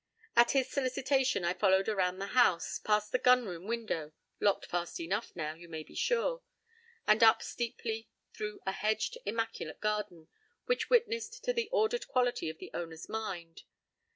p> At his solicitation I followed around the house, past the gun room window (locked fast enough now, you may be sure), and up steeply through a hedged, immaculate garden, which witnessed to the ordered quality of the owner's mind.